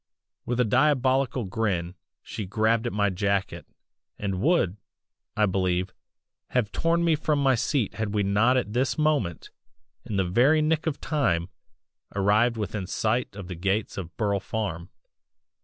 "With a diabolical grin she grabbed at my jacket and would, I believe, have torn me from my seat had we not at this moment, in the very nick of time, arrived within sight of the gates of Burle Farm.